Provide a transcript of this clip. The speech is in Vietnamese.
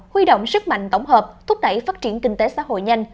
huy động sức mạnh tổng hợp thúc đẩy phát triển kinh tế xã hội nhanh